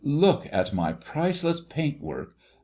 "Look at my priceless paintwork!